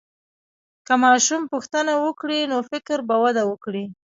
که ماشوم پوښتنه وکړي، نو فکر به وده وکړي.